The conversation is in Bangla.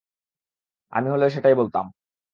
আমি হলেও সেটাই বলতাম।